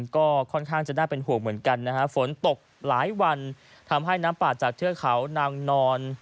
ก็ค่อนข้างจะน่าเป็นห่วงเหมือนกันนะฮะฝนตกหลายวันทำให้น้ำป่าจากเทือกเขานางนอน